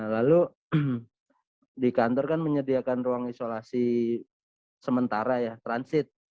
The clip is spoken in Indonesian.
lalu di kantor kan menyediakan ruang isolasi sementara ya transit